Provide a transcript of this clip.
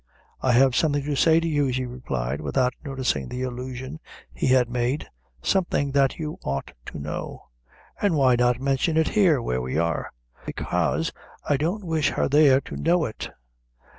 "I have something to say to you," she replied, without noticing the allusion he had made; "something that you ought to know." "An' why not mention it where we are?" "Bekaise I don't wish her there to know it."